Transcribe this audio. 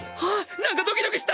なんかドキドキした！